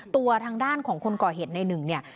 ตัวทางด้านของคนก่อเหตุในหนึ่งเนี่ย